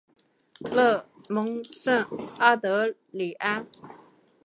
勒蒙圣阿德里安。